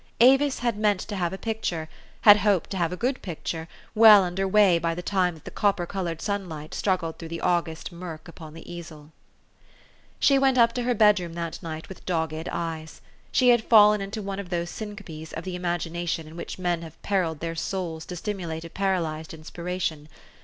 Avis had meant to have a picture had 142 THE STORY OF AVIS. hoped to have a good picture well under way by the time that the copper colored sunlight struggled through the August murk upon the easel. She went up to her bedroom that night with dog ged eyes. She had fallen into one of these syn copes of the imagination in which men have periled their souls to stimulate a paralyzed inspiration.